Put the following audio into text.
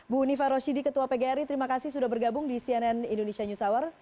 bu unifa roshidi ketua pgri terima kasih sudah bergabung di cnn indonesia news hour